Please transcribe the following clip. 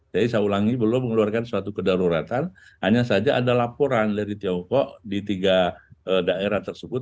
jadi saya ulangi belum mengeluarkan suatu kedaruratan hanya saja ada laporan dari tiongkok di tiga daerah tersebut